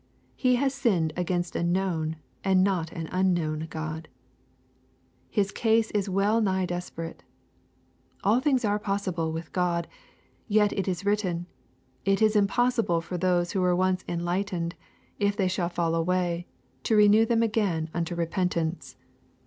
He has sinned against a known, and not an unknown God. His case is well nigh despe rate. All things are possible with God. Yet it is writ ten, " It is impossible for those who were once enlight ened,— if they shall fall away, to renew them again unto repentance."